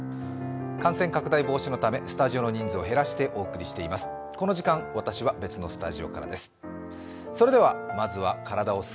感染拡大防止のためスタジオの人数を減らしてお送りしています。